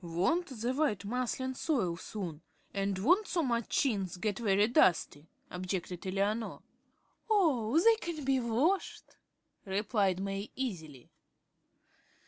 "Won't the white muslin soil soon, and won't so much chintz get very dusty?" objected Eleanor. "Oh, they can be washed," replied May, easily.